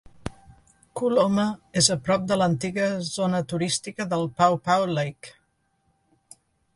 Coloma és a prop de l'antiga zona turística del Paw Paw Lake.